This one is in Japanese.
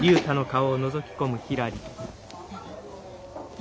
何？